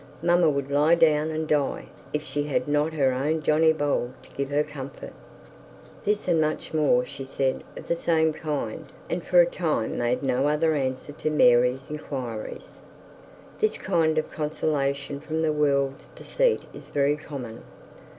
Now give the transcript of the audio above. Mamma would lie down and die if she had not her own Johnny Bold to give her comfort.' This and much more she said of the same kind, and for a time made no other answer to Mary's inquiries. This kind of consolation from the world's deceit is very common.